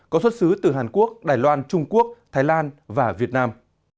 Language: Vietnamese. có xuất xứ từ hàn quốc đài loan trung quốc thái lan và việt nam